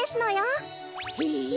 へえ。